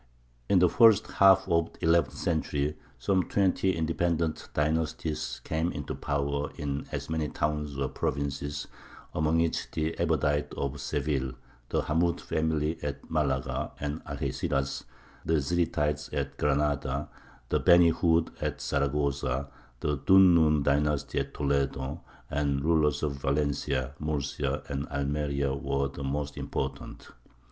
In the first half of the eleventh century some twenty independent dynasties came into power in as many towns or provinces, among which the Abbadites of Seville, the Hammūd family at Malaga and Algeciras, the Zirites at Granada, the Beny Hūd at Zaragoza, the Dhu n Nūn dynasty at Toledo, and the rulers of Valencia, Murcia, and Almeria, were the most important.